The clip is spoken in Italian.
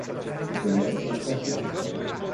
Dipende da specchi d'acqua.